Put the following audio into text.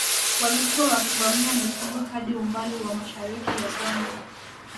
Walikuwa wakivamia mifugo hadi umbali wa mashariki ya Pwani